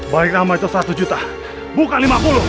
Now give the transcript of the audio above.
baik nama itu satu juta bukan lima puluh